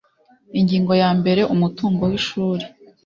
ingingo ya mbere umutungo w ishuri